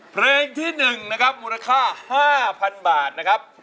เพลงที่๑นะครับมูลค่า๕๐๐๐บาทนะครับ